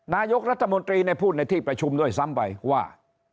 นายกรัฐมนตรีพูดในที่ประชุมด้วยซ้ำไปว่า